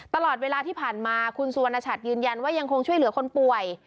ตลอดเวลาที่ผ่านมาคุณสุวรรณชัดยืนยันว่ายังคงช่วยเหลือคนป่วย